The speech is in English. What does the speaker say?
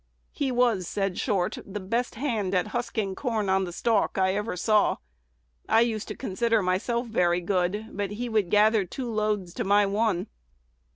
"He was," said Short, "the best hand at husking corn on the stalk I ever saw. I used to consider myself very good; but he would gather two loads to my one."